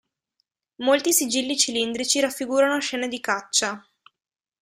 Molti sigilli cilindrici raffigurano scene di caccia.